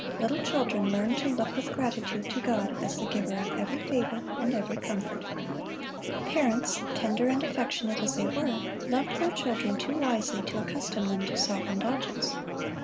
Little children learned to look with gratitude to God as the giver of every favor and every comfort. Parents, tender and affectionate as they were, loved their children too wisely to accustom them to self indulgence.